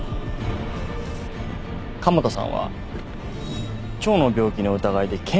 加茂田さんは腸の病気の疑いで検査してたんです。